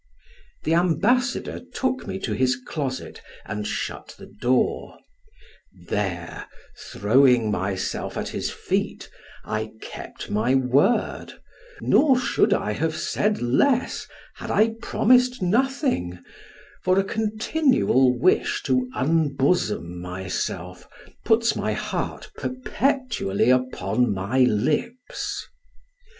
The ambassador took me to his closet, and shut the door; there, throwing myself at his feet, I kept my word, nor should I have said less, had I promised nothing, for a continual wish to unbosom myself, puts my heart perpetually upon my lips.